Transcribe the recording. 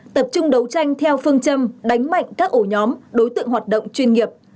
tập trung đấu tranh theo phương châm đánh mạnh các ổ nhóm đối tượng hoạt động chuyên nghiệp